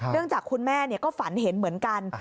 เนื่องจากคุณแม่เนี่ยก็ฝันเห็นเหมือนกัน